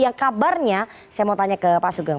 yang kabarnya saya mau tanya ke pak sugeng